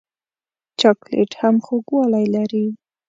چاکلېټ هم خوږوالی لري.